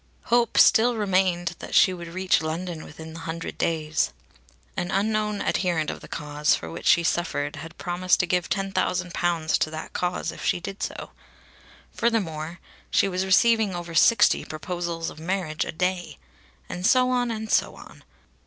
Hope still remained that she would reach London within the hundred days. An unknown adherent of the cause for which she suffered had promised to give ten thousand pounds to that cause if she did so. Furthermore, she was receiving over sixty proposals of marriage a day. And so on and so on!